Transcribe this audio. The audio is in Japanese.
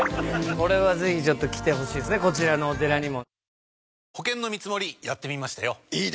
これはぜひ来てほしいですねこちらのお寺にも。